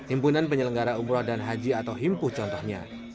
himpunan penyelenggara umroh dan haji atau himpuh contohnya